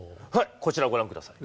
こちらをご覧ください。